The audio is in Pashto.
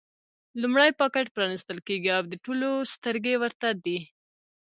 لومړی پاکټ پرانېستل کېږي او د ټولو سترګې ورته دي.